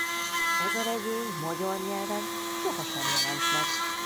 Ez a regény magyar nyelven sohasem jelent meg.